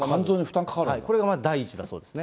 これがまず第一だそうですね。